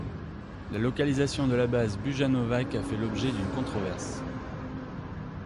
La localisation de la base à Bujanovac a fait l'objet d'une controverse.